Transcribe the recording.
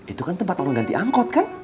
itu kan tempat orang ganti angkot kan